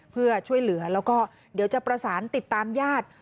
เพื่อช่วยเหลือแล้วก็เดี๋ยวจะประสานติดตามญาติ